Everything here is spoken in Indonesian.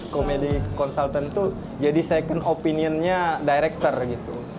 komedi konsultan itu jadi second opinion nya director gitu